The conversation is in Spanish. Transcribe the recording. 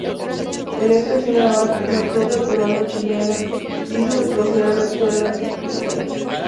En esta acción naval, la flota peruano-chilena hizo retroceder a la escuadra española.